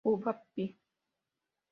Cuba, Pl.